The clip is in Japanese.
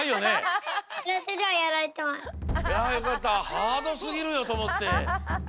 ハードすぎるよとおもって。